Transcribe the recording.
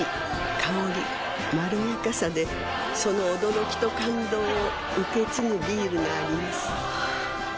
香りまろやかさでその驚きと感動を受け継ぐビールがあります